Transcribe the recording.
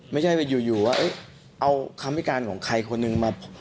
ไม่ใช่อยู่ว่าเอาคำพิการของใครคนหนึ่งมา